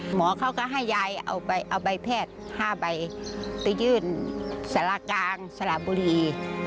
หมอเขาก็ให้ยายเอาใบแพทย์๕ใบไปยื่นสารกลางสระบุรี